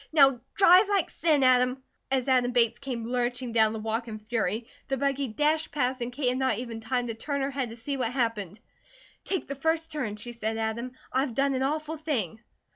Now drive like sin, Adam!" As Adam Bates came lurching down the walk in fury the buggy dashed past and Kate had not even time to turn her head to see what happened. "Take the first turn," she said to Adam. "I've done an awful thing."